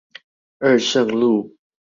二聖路